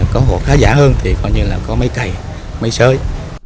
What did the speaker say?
có hộ khá giả hơn thì gọi như là có máy cày máy sơi